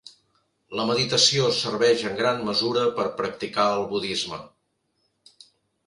La meditació serveix en gran mesura per practicar el budisme.